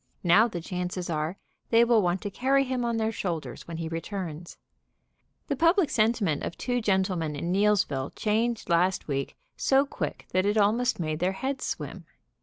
Now the chances are they will want to carry him on their shoulders when he returns. The public sentiment of two gentlemen at Neillsville changed last week so quick that it almost made their heads swim.